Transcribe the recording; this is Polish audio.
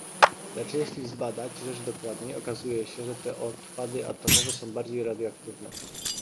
Lecz jeśli zbadać rzecz dokładniej, okazuje się, że te odpady atomowe są bardziej radioaktywne